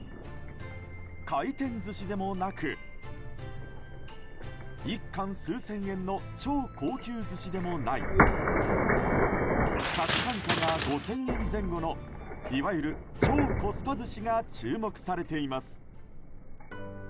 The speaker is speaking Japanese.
回転寿司でもなく、１貫数千円の超高級寿司でもない客単価が５０００円前後のいわゆる超コスパ寿司が注目されています。